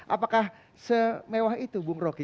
apakah semewah itu bung roky